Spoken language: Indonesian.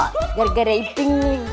nih gara gara iping nih